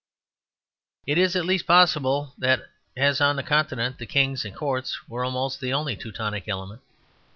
It is at least possible that, as on the Continent, the kings and courts were almost the only Teutonic element.